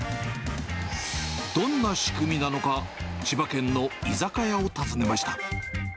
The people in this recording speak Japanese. どんな仕組みなのか、千葉県の居酒屋を訪ねました。